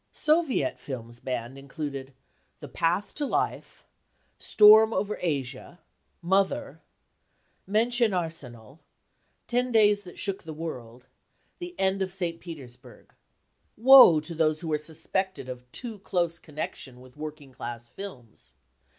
Soviet films banned included : The Path to Life Storm over Asia Mother Menschen arsenal Ten Days that Shook the World The End of St. Petersburg. Woe to those who are suspected of too close connection with working class films